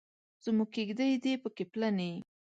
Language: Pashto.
زموږ کیږدۍ دې پکې پلنې.